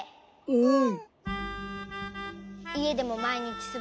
うん。